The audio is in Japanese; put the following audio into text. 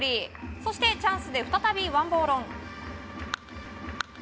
そしてチャンスで再びワン・ボーロン。